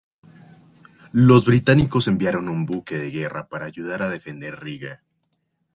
Los británicos enviaron un buque de guerra para ayudar a defender Riga.